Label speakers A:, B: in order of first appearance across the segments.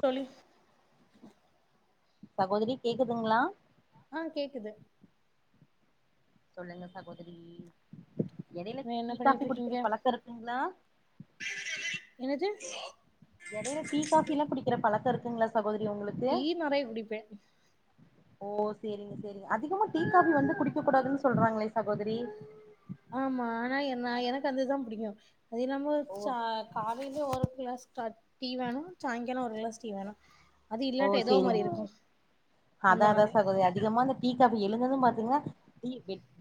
A: தோழி
B: சகோதரி கேக்குதுங்களா
A: ஆ கேக்குது
B: சொல்லுங்க சகோதரி எடையில
A: என்ன
B: டீ காபி
A: பண்ணிட்ருக்கீங்க
B: குடிக்கிற பழக்கோ இருக்குங்களா
A: ஆ
B: எடையில டீ காபி எல்லா குடிக்கிற பழக்கெ இருக்குங்களா சகோ
A: டீ நறையா குடிப்பே
B: ஓ சரிங்க சரிங்க அதிகமா டீ காஃப்பி வந்து குடிக்க கூடாதுன்னு சொல்றாங்களே சகோதரி
A: ஆமா ஆனா என்ன எனக்கு அதுதா புடிக்கு தினமு
B: ஓ
A: ச காலையில ஒரு ஃப்ளாஸ் டா டீ வேணு சாய்ங்காலோ ஒரு கிளாஸ் டீ வேண அது
B: ஓ
A: இல்லாட்ட ஏதோ
B: சேரிங்க
A: மாதிரி இருக்கு அந்த
B: அதா அதா
A: மாதிரி
B: சகோதரி அதிகமா இந்த டீ காஃபி எழுந்தது பாத்தீங்கன்னா டீ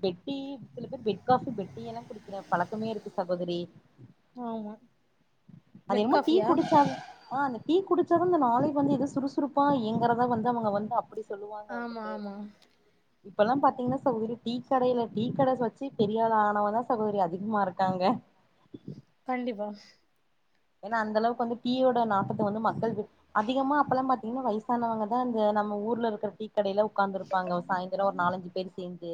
B: பெட் டி சில பேர் பெட் காஃபி பெட் டி எல்லா குடிக்கிற பழக்கமே இருக்கு சகோதரி
A: ஆமா பெட்
B: அதனமோ டீ
A: காஃபியா
B: குடிச்சாவ் ஆ டீ குடிச்சாத இந்த நாளே வந்து எத சுறுசுறுப்பா இயங்கறதா வந்து அவங்க வந்து அப்டி
A: ஆமா ஆமா
B: இப்ப எல்லா பாத்தீங்கன்னா சகோதரி டீக்கடையில டீக்கட வச்சு பெரியாலா ஆனவ தா சகோதரி அதிகமா இருக்காங்க
A: கண்டிப்பா
B: ஏன்னா அந்த அளவுக்கு வந்து டீயோட நாத்தத்த வந்து மக்கள் அதிகமா அப்ப எல்லா பாத்தீங்கன்னா வயசானவங்க தா இந்த நம்ம ஊர்ல இருக்கிற டீ கடையில உக்காந்து இருப்பாங்க சாயந்திரோ ஒரு நாலஞ்சு பேர் சேர்ந்து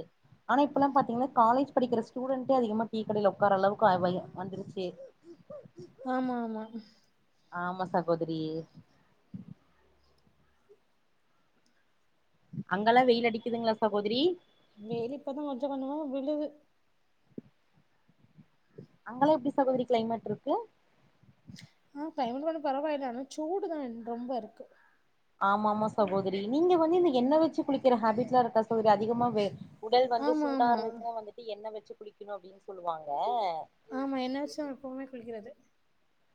B: ஆனா இப்ப எல்லா பாத்தீங்கன்னா காலேஜ் படிக்கிற ஸ்டூடண்டே அதிகமா டீ கடையில் உக்கார்ற அளவுக்கு வந்துருச்சு [inaudible]
A: ஆமா ஆமா
B: ஆமா சகோதரி அங்கெல்லா வெயில் அடிக்குதுங்களா சகோதரி
A: வெயில் இப்பதா கொஞ்ச கொஞ்சமா விழுது
B: அங்கலா எப்டி சகோதரி கிளைமேட் இருக்கு
A: ஆ கிளைமேட் கொஞ்சோ பரவாயில்ல ஆனா சூடுதா ரொம்ப இருக்கு
B: ஆமா மா சகோதரி நீங்க வந்து இந்த என்ன வச்சு குளிக்கிற ஹேபிட் லா இருக்கா சகோதரி அதிகமா உடல் வந்து
A: ஆமா
B: சூடா
A: ஆமா
B: இருந்துச்சன்னா வந்துட்டு என்ன வச்சு குளக்கணு அப்டின்னு சொல்லுவாங்க
A: ஆமா என்ன வச்சுதா எப்பவுமே குள்கிறது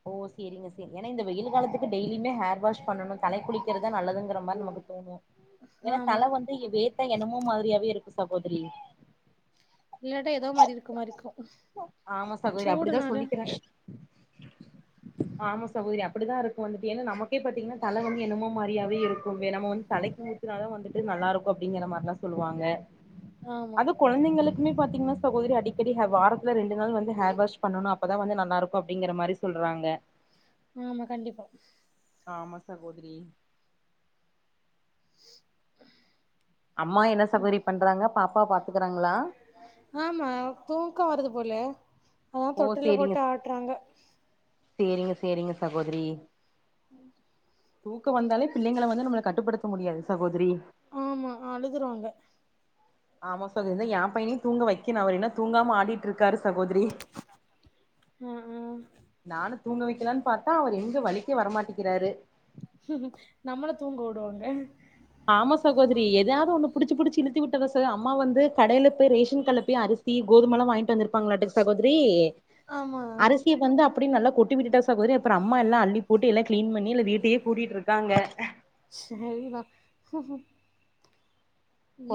B: ஓ சரிங்க சரி ஏன்னா இந்த வெயில் காலத்துக்கு டெய்லியுமே ஹேர் வாஷ் பண்ணனு தலைக்குளிக் க்கரதா நல்லதுங்கிற மாரி நமக்கு தோணு ஏன்னா
A: ஆமா
B: தல வந்து இ வே தா என்னமோ மாரியாவே இருக்கு சகோதரி
A: இல்லாட்டா ஏதோ மாரி இருக்க மாரி இருக்கு
B: ஆமா சகோதரி அப்டிதா
A: சூடுனால
B: சொல்லிக்கிறாங்க ஆமா சகோதரி அப்டிதா இருக்கு வந்துட்டு ஏன்னா நமக்கே பாத்தீங்கன்னா தல வந்து என்னமோ மாரியாவே இருக்கு நம்ம வந்து தலைக்கு ஊத்துனாதா வந்துட்டு நல்லா இருக்கு அப்டிங்கிற மாரிலா சொல்லுவாங்க
A: ஆமா
B: அது கொழந்தைங்களுக்குமே பாத்தீங்கன்னா சகோதரி அடிக்கடிஹ வார இது ரெண்டு நாள் வந்து ஹேர் வாஷ் பண்ணனு அப்தான் வந்து நல்லா இருக்கு அப்டிங்கிற மாரி சொல்றாங்க
A: ஆமா கண்டிப்பா
B: ஆமா சகோதிரி அம்மா என்ன சகோத்ரி பண்றாங்க பாப்பா பாத்துக்கறாங்களா
A: ஆமா தூக்கோ வருது போல அதா
B: ஓ
A: தொட்டில்ல
B: சேரிங்க
A: போட்டு ஆட்டுறாங்க
B: சேரிங்க சேரிங்க சகோதிரி
A: உம்
B: தூக்க வந்தாலே பிள்ளைங்கள வந்து நம்மள கட்டுப்படுத்த முடியாது சகோதரி
A: ஆமா அழுதுருவாங்க
B: ஆமா சகோ எ பையனையு தூங்க வைக்கனு அவரு இன்னு தூங்காம ஆடிட்டு இருக்காரு சகோதரி
A: ஆ ஆ
B: நானு தூங்க வைக்கலாம்னு பாத்தா அவர் எங்க வளிக்கே வரமாட்டிக்கிறாரு
A: நம்மள தூங்க விடுவாங்க
B: ஆமா சகோதரி எதாவது ஒண்ணு புடுச்ச புடிச்சு இழுத்தி விட்டதா ச அம்மா வந்து கடையில போய் ரேஷன் கட்ல போய் அரிசி கோதுமலா வாங்கிட்டு வந்திருப்பாங்களாட்டு சகோதரி
A: ஆமா
B: அப்டி நல்லா கொட்டிவிட்டுட்டா சகோதரி அப்றோ அம்மா எல்லா அல்லி போட்டு எல்லா க்ளீன் பண்ணில்ல வீட்டையே கூட்டிட்இருக்கு க்காங்க
A: சரிதா ம்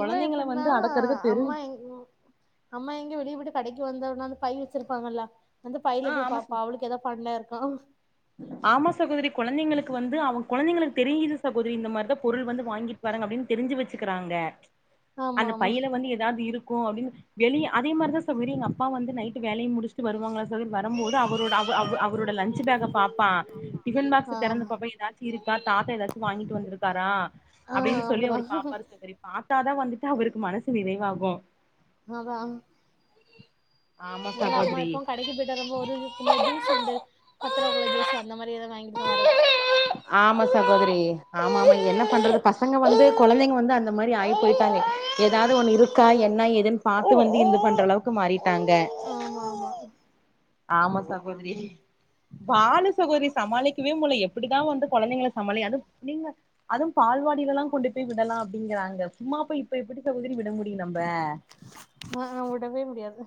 A: இவ எப்டின்னா
B: வந்து அடக்குறது பெரு
A: அம்மா எங் அம்மா எங்க வெளிய போயிட்டு கடை வந்த உடன வந்து பை வச்சுருப்பாங்கல்ல வந்து
B: ஆ
A: பையில போய்
B: ஆமா ச
A: பாப்பா அவளுக்கு எதாது ஃபண்ணர் ஆவ்
B: ஆமா சகோதரி கொழந்தைங்களுக்கு வந்து அவங்க கொழந்தைங்களுக்கு தெரியுது சகோதரி திரி இந்த மாரிதா பொருள் வந்து வாங்கிட் வரங்க அப்டின்னு தெரிஞ்சு வச்சுக்கிறாங்க
A: ஆமா
B: அந்த
A: ஆமா
B: பையில வந்து ஏதாது இருக் ஒ அப்டின்னு வெளிய அதே மாரிதா சகோதரி அப்பா வந்து நைட்டு வேலைய முடிச்சட்டு வருவாங்களா தோழி நம்போது அவரோட அவ் அவ் அவரோட லஞ்ச் ச்பேகம் பா டிபன் பாக்ஸ்ச
A: ஆ
B: திறந்த பாப்ப ஏதாச்சும் இருக்கா தாத்தா ஏதாச்சும் வாங்கிட்டு வந்திருக்காரா
A: ஆ
B: அப்டின்னு சொல்லி
A: அப்டிதா
B: அவரு பாப்பாரு சபரி பாத்து த்தா வந்துட்டு அவுருக்கு மனசு நிறைவாகு
A: ஆ வா
B: ஆமா
A: அதனால அம்மா இப்போ
B: சகோதரி
A: கடைக்கு போயிட்டு வ ரொம்ப ஒரு இந்த ஜூஸ் உண்டு பத் தத்தரக்குள்ள ஜூஸ் அந்த மாரி எதாது வாங்கிட்டுதா வரது
B: ஆமா சகோதரி ஆமா ஆமா என்ன பண்றது பசங்க வந்து கொழந்தைங்க வந்து அந்த மாரி ஆகி போயிட்டாங்க ஏதாது ஒண்ணு இருக்கா என்ன ஏதுன்னு பாத்து வந்து இது பண்ற அளவுக்கு மாறி
A: ஆமா ஆமா
B: ஆமா சாகோதரி பாலு சகோரி சமாளிக்கவே முல இப்டிதா வந்து கொழந்தைங்கள சமாளி அது நீங்க அதும் பால்வாடியில எல்லா கொண்டு போய் விடலா அப்டிங்கறாங்க சும்மாப்ப இப்ப எப்டி சகோதரி விட முடியும் நம்ம
A: ஆ வுடவே முடியாது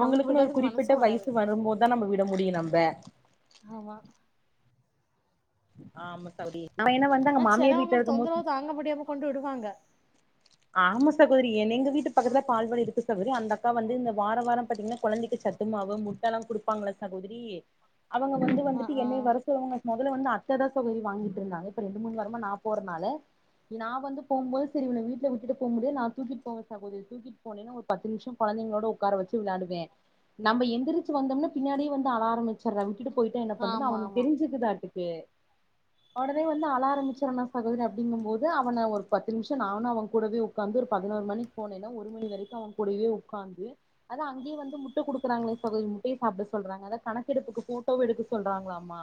A: நம்மளுக்கு
B: ஒரு
A: விடறதுக்கு மனசு
B: குறிப்பிட்ட
A: வராது
B: வயசு வரும்போதுதா நம்ம விட் விட முடியும் நம்ப
A: ஆமா
B: ஆமா சவுடி
A: ஆ செலவங்க தொந்தரவு தாங்க முடியாம கொண்டு விடுவாங்க
B: ஆமா சகோதரி எ எங்க வீட்டு பக்கத்துல பால்வாடி இருக்கு சகோதரி அந்த அக்கா வந்து இந்த வார வார பாத்தீங்கன்னா கொழந்தைக்கு சத்துமாவு முட்ட எல்லா குடுப்பாங்களா சகோதரி அவுங்க வந்து
A: ஆ
B: வந்துட்டு
A: ஆ
B: என்னை வர சொல்லுவங்கன்ன வந்து அத்ததா சதோரி வாங்கிட்டு இருந்தாங்க ரெண்டு மூணு வாரமா நா போறனால நா வந்து போம்போது சரி வீண விட்டு போக முடிய நா தூக்கி போக தூக்கித்துபோனேனா ஒரு பத்து நிமிசோ கோழத்தைகளோட உக்காரவெச்சு விளையாடுவே நம்ம எந்திரிச்சு வந்தோம்னா பின்னாடியே வந்து அழ ஆரம்பிச்சிரா ட்டு போயிட்டா என்ன பண்து
A: ஆமா
B: அவனுக்கு
A: ஆமா
B: தெரி்சுக்குதாக்கு கே உடனே வந்து அள ஆரம்பிச்சர்னா சகோதரி அப்டிங்கும் போது அவன ஒரு பத்து நிமிஷம் நானு அவங் கூடவே உக்காந்து ஒரு பதினோரு மணிக்கு போனினா ஒரு மணி வரைக்கு அவ கூடவே உக்காந்து அத அங்கே வந்து முட்டை குடுக்குறாங்களே சகோதரி முட்டைய சாப்பிட சொல்றாங்க அத கணக்கெடுப்புக்கு ஃபோட்டோவு எடுக்க சொல்றாங்களா மா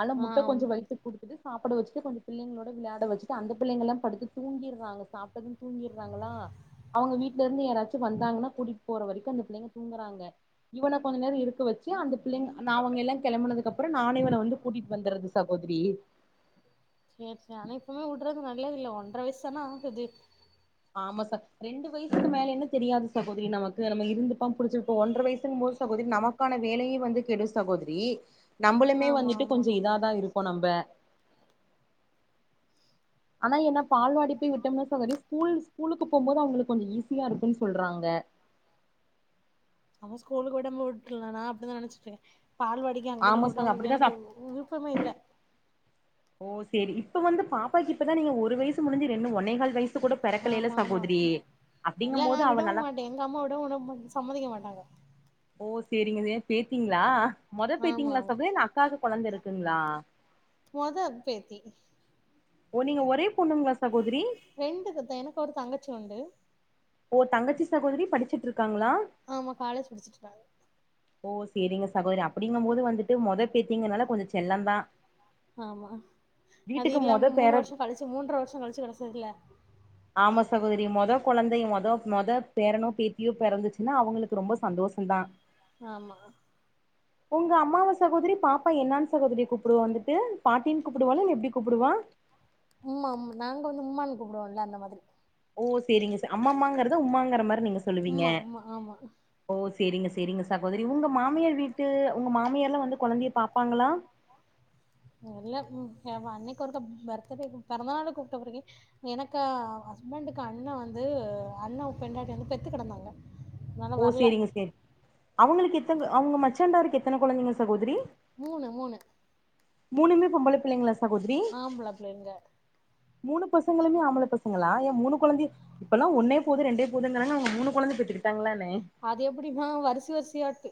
B: ஆ ல முட்டை கொஞ்சோ வயத்துக்கு குடுத்துட்டு சாப்பிட வச்சுட்டு கொஞ்ச பிள்ளைங்களோட விளையாட வச்சுட்டு அந்த பிள்ளைங்எல்லா படுத்து தூங்கிடுறாங்க சாப்ட்டு தூங்கிட்றாங்களா அவங்க வீட்டுல இருந்து யாராச்சு வந்தாங்கன்னா கூட்டிட்டு போற வரைக்கு அந்த பிள்ளைங்க தூங்குறாங்க இவன கொஞ்ச நேரோ இருக்க வச்சு அந்த பிள்ளைங்க நா அவங்க எல்லா கிளம்பனதுக்கு அப்பறோ நானே இவன வந்து கூட்டிட்டு வந்துர்றது சகோதரி
A: சேரி சேரி ஆனா இப்பமே விடுறது [unintelligible]
B: ஆமா சதோதரி ரெண்டு வயசுக்கு மேலனா தெரியாது சகோதரி நமக்கு நம்ம இருந்துப்பா புடிச்சுப்ப ஒன்றரை வயசுக்கும் போது சகோதரி நமக்கான வேலையே வந்து கெடு சகோதரி நம்மளுமே
A: ஆமா
B: வந்துட்டு
A: ஆமா
B: கொஞ்ச இதா தா இருக்கு போ நம்ப ஆனா என்னா பால் வாடி விட்டோன சரி ஸ்கூல் ஸ்கூலுக்கு போம்போது அவங்களுக்கு கொஞ்ச ஈஸியா இருக்குன்னு சொல்றாங்க
A: ஆமா ஸ்கூல் விடாம போ விட்டுக்லா ந அப்டிதா நனச்சிட்ருக்கே பால் வாடி அங்க
B: ஆமா சார் அப்படிதா சா
A: எனக்கு விருப்பமே இல்ல
B: ஓ சரி இப்ப வந்து பாப்பாக்கு இப்பதானுங்க ஒரு வயசு முடிஞ்சு ரெண்டு ஒன்னே கால்
A: ஆமா ஆமா
B: அப்படிங்கும்
A: இல்ல நா
B: போது அவ
A: விடவு
B: நல்லா
A: மாட்டே எங்க அம்மா விடவு சம்மதிக்க மாட்டே ஆ
B: ஓ சரிங்க பேசீனிங்களா மொத
A: ஆமா
B: பேயித்திகளா சதோத்ரி இல்ல அக்காக்கு கொழந்த இருக்குங்களா
A: மொத
B: ஓ நீங்க ஒரே பொண்ணுங்களா சகோதரி
A: ரெண்டு [unintelligible] எனக்கு ஒரு தங்கச்சி உண்டு
B: ஓ தங்கச்சி சகோதரி படிச்சிட்டு இருக்காங்களா
A: ஆமா காலேஜ் படிச்சிற்றிக்காங்க
B: ஓ சரிங்க சகோதரி அப்டிங்கும்போது வந்துட்டு முத பேத்திங்கனால கொஞ்சோ செல்லந்தா
A: ஆமா அது
B: வீட்டுக்கு மொத
A: இல்லாம மூணு
B: பேர
A: வருஷோ கழிச்சு மூன்றை வருஷோ கழிச்சு கெடச்சிருக்குல
B: ஆமா சகோதரி மொதோ கொழந்தை மொத மொத பேரனோ பேத்தியோ பிறந்துச்சுன்னா அவங்களுக்கு ரொம்ப சந்தோஷந்தா
A: ஆமா
B: உங்க அம்மாவ சொ சகோதரி பாப்பா என்னன் சகோதரி கூப்பிடுவா வந்துட்டு பாட்டின்னு கூப்படுவாலா இல்ல எப்டி கூப்பிடுவா
A: உம்மா நாங்க வந்து உம்மானு கூப்பிடுவோம்ல அந்த மாதிரி
B: ஓ செரிங்க சார் அம்மாம்மாங்கரத உம்மாங்கிற மாரி நீங்க சொல்லுவீங்க
A: உம்மா உம்மா ஆமா
B: ஓஸ் சேரிங்க சேரிங்க சகோதரி உங்க மாமியார் வீட்டு உங்க மாமியார்எல்லா வந்து கொழந்தைய பாப்பாங்களா
A: அல்ல அன்னைக்கு ஒருத்த பர்த்டே பிறந்த நாள கூப்பிட்ட பிறக்க எனக்கு ஹஸ்பண்டுக்கு அண்ணே வந்து அண்ணா பெண்டாட்டி வந்து பெத்து கிடந்தாங்க
B: ஓ சேரிங்க சேரி அவுங்களுக்கு எத்தன அவுங்க மச்சான்ங்காருக்கு எத்தன கொழந்தைங்க சகோதரி
A: மூனு மூனு
B: மூனுமே பொன்பள பிள்ளைங்களா
A: ஆண்பள பிள்ளைங்க
B: மூனு பசங்களுமே ஆம்பல பசங்களா ஏ மூனு கொழந்தைய இப்ப எல்லா ஒன்னே போது ரெண்டே போதுங்குறாங்க மூனு கொழந்த பெத்துகிட்டாங்களா
A: அது எப்டிம்மா வரிச வரிச யாட்டு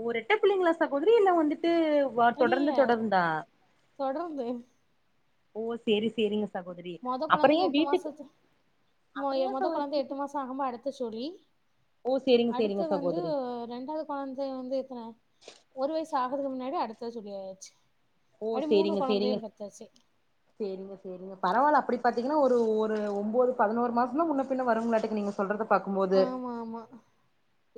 B: ஒ ரெட்ட பிள்ளைங்களா சகோதரி வெயில வந்துட்டு தொடர்ந்து
A: இல்ல
B: தொடர்ந்தா
A: தொடர்ந்து
B: ஓ சேரி சேரிங்க சகோதரி
A: மொத
B: அப்புற ஏ
A: கொழந்தைக்கு எட்டு
B: வீட்டுக்கு
A: மாசத்
B: அப்புற ஏ
A: மொத
B: சகோதரி
A: கொழந்த எட்டு
B: வீட்டு
A: மாச ஆமா அடுத்த சொல்லி
B: ஓ சேரிங்க சேரிங்க
A: அடுத்து வந்து
B: சகோதரி
A: ரெண்டாவது கொழந்த வந்து எத்தன ஒரு வயசு ஆகரது முன்னாடி அடுத்தது சொல்லியயாச்சு
B: ஓ சேரிங்க சேரிங்க சேரிங்க சரிங்க பரவால அப்டி பாத்தீங்கன்னா ஒரு ஒரு ஒம்போது பதினோரு மாசந்தா முன்ன பின்ன வரும்ங்களாட்டு நீங்க சொல்றது பாக்கும்போது
A: ஆமா ஆமா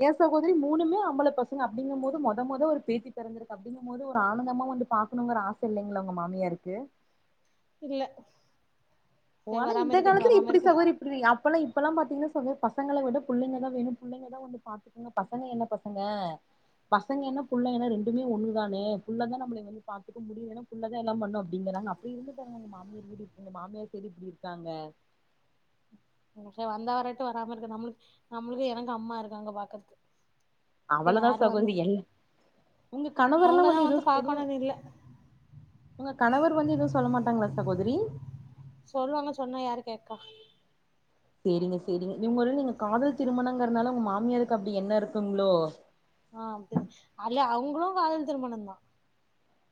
B: ஏ சகோதரி மூனும்மே ஆம்பள பசங்க அப்டிங்க போது மொத மொத ஒரு பேத்தி பெறந்திருக்கு அப்படிங்கும் போது ஒரு ஆனந்தமா வந்து பா க்கணுங்கற ஆச இல்லைங்களா உங்க மாமியாருக்கு
A: இல்ல சரி
B: ஆனா
A: வராம
B: இந்த
A: இருக்கட்டு
B: காலத்துல
A: வராம
B: எப்டி
A: இருக்கு
B: சகோதரி இப்டி அப்பல்லா இப்பல்லா பாத்தீங்கன்னா சகோத பசங்கள விட புள்ளைங்கதா வேணு புள்ளைங்கதா வந்து பாத்துக்கோங்க பசங்க என்ன பசங்க பசங்க என்ன புள்ளைன்னா ரெண்டுமே ஒன்னுதானே புல்ல தா நம்மள வந்து பாத்துக்க முடியணும் புள்ள தா எல்லா பண்ணு அப்டிங்கறாங்க அப்டி இருந்துங்க மாமியார் வீடு மாமியார் சரி அப்டி இருக்காங்க
A: வந்தா வரட்டு வராம இருக்கட்டு நம்மளுக்கு நம்மளுக்கு எனக்கு அம்மா இருக்காங்க பாக்கறத்துக்கு
B: அவ்வளவுதா சகோதரி எல்ல உங்க கணவர் எல்லா
A: அவங்கதா
B: வந்து எதவும் எதுவு
A: பாக்கணுன்னு இல்ல
B: உங்க கணவர் வந்து எதுவு சொல்ல மாட்டாங்களா சகோதரி
A: சொல்லுவாங்க சொன்னா யாரு கேக்கா
B: சேரிங்க சேரிங்க இவுங்க நீங்க காதல் திருமணங்கிறதுனால உங்க மாமியாருக்கு அப்டி என்ன இருக்குங்ளோ
A: ஆ அப்டி அல்ல அவுங்களு காதல் திருமணமந்தா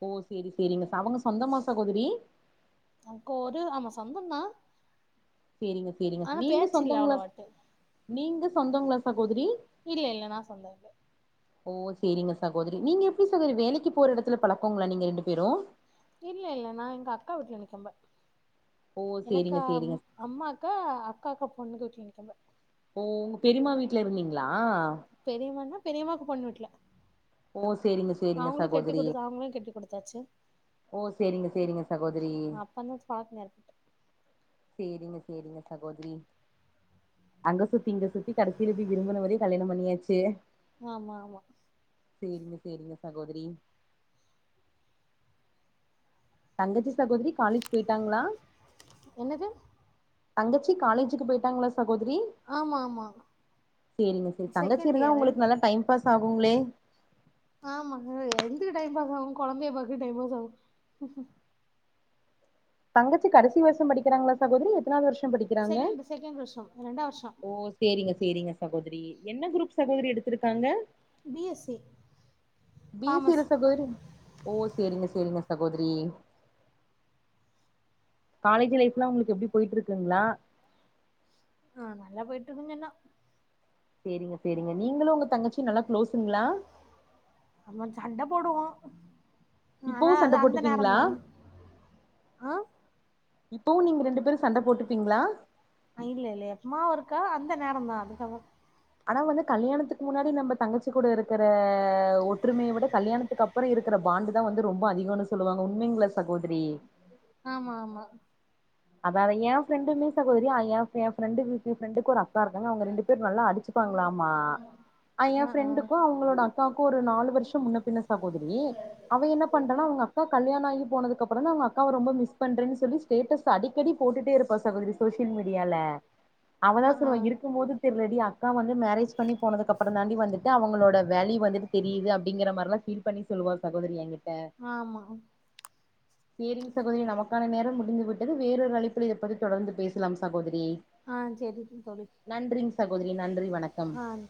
B: ஓ சேரி சேரிங்க அவுங்க சொந்தமா சகோதரி
A: நமக்கு ஆமா சொந்ததா
B: சேரிங்க சேரிங்க நீங்க சொந்தங்ளா
A: அவ்ளவாட்டு
B: நீங்க சொந்தங்ளா சகோதரி
A: இல்ல இல்ல நா சொந்தோ இல்ல
B: ஓ சேரிங்க சகோதரி நீங்க எப்டி சகோதரி வேலைக்கு போற எடத்துல பழக்கங்ளா நீங்க ரெண்டு பேரு
A: இல்ல இல்ல நா எங்க அக்கா வீட்ல இருக்குபோ
B: ஓ
A: எனக்கு
B: சேரிங்க சேரிங்க
A: அம்மாக்கு அக்காக்கு பொண்ணுகே விட்டீங்க கம
B: ஓ பெரிம்மா வீட்ல இருந்தீங்களா
A: பெரிமாண்ணப் பெரிமாக் பொண்ணு விடல
B: ஓ சேரிங்க சேரிங்க சகோதரி
A: அவங்களு கெட்டி குடுத்தாச்சு
B: ஓ சேரிங்க சேரிங்க சகோதரி
A: அப்பந்தா பழக்கோ ஏற்பட்டு
B: சேரிங்க சேரிங்க சகோதரி அங்க சுத்தி இங்க சுத்தி கடைசில போய் விரும்புனதே கல்யாண பண்ணியாச்சு
A: ஆமா ஆமா
B: சேரிங்க சேரிங்க சகோதரி தங்கச்சி சகோதரி காலேஜ் போயிட்டாங்களா
A: என்னது
B: தங்கச்சி காலேஜிக்கு போயிட்டாங்களா சகோதரி
A: ஆமா ஆமா
B: சேரிங்க செரி தங்கச்சி
A: செகண்ட்
B: இருந்தா
A: இயரு
B: உங்களுக்கு நல்ல டைம் பாஸ் ஆகுங்களே
A: ஆமா எந்த டைம் பாஸ் ஆகு கொழந்தைய பாக்க டைம் பாஸ் ஆகு
B: தங்கத் த்து கடைசி வருஷ படிக்கறங்களா சகோதரி எத்தனாவது வருஷ்
A: செகண்ட் செகண்டு வருஷம் ரெண்டாவ
B: ஓ சேரிங்க சேரிங்க சகோதரி என்ன குரூப் சகோதரி எடுத்திருக்காங்க
A: B S C
B: B C ல
A: காமர்ஸ்
B: சகோரி ஓ சேரிங்க சேரிங்க சகோதரி காலேஜ் லைஃப்ல உங்களுக்கு எப்டி போயிட்டு இருக்குங்களா
A: ஆ நல்லா போயிட்டு இருங்கன்னா
B: சேரிங்க சேரிங்க நீங்களு உங்க தங்கச்சி நல்லா க்ளோஸுங்களா
A: அவ சண்ட போடுவா
B: இப்பவு
A: அ அது
B: சண்ட
A: அந்த நேர
B: போட்டுப்பீங்களா
A: தா ஆ
B: இப்பவு நீங்க ரெண்டு பேரு சண்ட போட்டுப்பீங்களா
A: ஆ இல்ல இல்ல எப்பமா ஒரு க்க அந்த நேர தா அதுக்கவ
B: ஆனா வந்து கல்யாணத்துக்கு முன்னாடி நம்ம தங்கச்சி கூட இருக்கிற ஒற்றுமைய விட கல்யாணத்துக்கு அப்பறம் இருக்கிற பாண்டு தா வந்து ரொம்ப அதிகம்னு சொல்லுவாங்க உண்மைங்களா சகோதரி
A: ஆமா ஆமா
B: அதாதா எ பிரண்டுமே சகோதரி எ ஏ ஃபிரண்டுக்கு ஃபிரெண்டுக்கு ஒரு அப் தா இருக்காங்க அவங்க ரெண்டு பேரும் நல்லா அடிச்சிப்பாங்களாமா
A: ஆ
B: என்
A: ஆ
B: ஃபிரண்டுக்கும் அவங்களோட அக்காக்கும் ஒரு நாலு வருஷம் முன்ன பின்ன சகோதரி அவ என்ன பண்றானா அவுங்க அக்காக் கல்யாண ஆகி போனதுகப்பறம்தான் அவுங்க அக்காவ ரொம்ப மிஸ் பண்றேன் சொல்லி ஸ்டேட்டஸ் ஸ அடிக்கடி போட்டுட் டு இருப்பா சகோதரி சோசியல் மீடியால
A: ஆ
B: அவதா
A: ஆ
B: சொல்லுவ இருக்க மோது தெர்லடி அக்கா வந்து மேரேஜ் பண்ணி போனதுக்கப்புறம் தாண்டி வந் துட்டு அவங்களோட வேல்யூ வந்துட்டு தெரியிது அப்படிங்கிற மாரிலா பீல் பண்ணி சொல்லுவா சகோதரி எங்கிட்
A: ஆமா
B: சேரிங் சகோதரி நமக்கான நேரம் முடிந்து விட் அது வேறொரு அழப்புல இத பத்தி தொடர்ந்து பேசலாம் சகோதி
A: ஆ செரிங்க தோழி
B: கோதிரி நன் றி வணக்கம்
A: ஆ